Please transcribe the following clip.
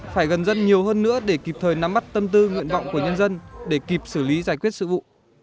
phải gần dân nhiều hơn nữa để kịp thời nắm bắt tâm tư nguyện vọng của nhân dân để kịp xử lý giải quyết sự vụ